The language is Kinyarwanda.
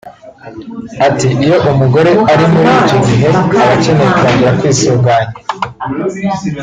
At “Iyo umugore ari muri icyo gihe aba akeneye kongera kwisuganya